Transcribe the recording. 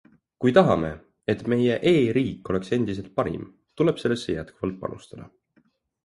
Kui tahame, et meie e-riik oleks endiselt parim, tuleb sellesse jätkuvalt panustada.